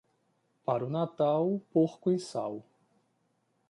Para o Natal, o porco em sal.